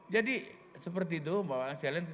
jadi seperti itu pak pak